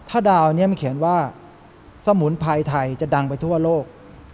ถ้าดาวนี้มันเขียนว่าสมุนไพรไทยจะดังไปทั่วโลก